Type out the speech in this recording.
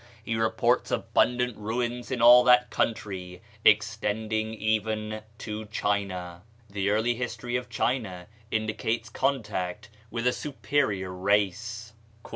He reports abundant ruins in all that country, extending even to China. The early history of China indicates contact with a superior race.